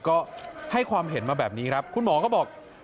ก็ให้ความเห็นมาแบบนี้ครับคุณหมอก็บอก